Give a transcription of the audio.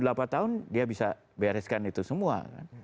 dalam delapan tahun dia bisa bereskan itu semua